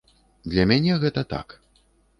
Для мяне гэта так.